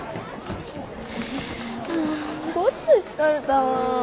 あごっつい疲れたわ。